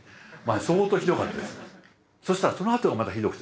相当ひどかったです。